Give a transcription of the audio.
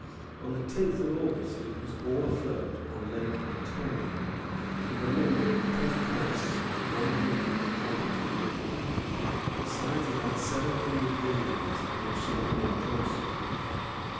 On the tenth of August it was all afloat on Lake Ontario, to the number of ten thousand one hundred and forty two men, besides about seven hundred Indians under Sir William Johnson.